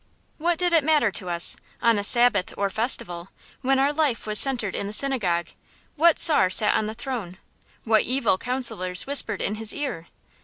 What did it matter to us, on a Sabbath or festival, when our life was centred in the synagogue, what czar sat on the throne, what evil counsellors whispered in his ear?